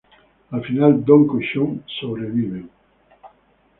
Al final, Dohko y Shion sobreviven.